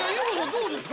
どうですか？